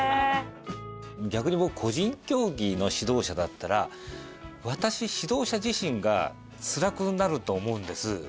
逆に僕個人競技の指導者だったら私指導者自身がつらくなると思うんです。